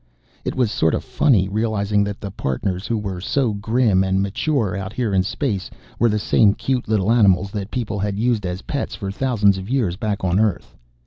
It was sort of funny realizing that the Partners who were so grim and mature out here in space were the same cute little animals that people had used as pets for thousands of years back on Earth.